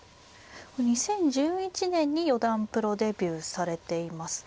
２０１１年に四段プロデビューされていますね。